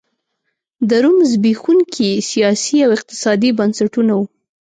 د روم زبېښونکي سیاسي او اقتصادي بنسټونه وو